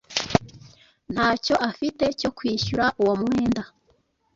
ntacyo afite cyo kwishyura uwo umwenda.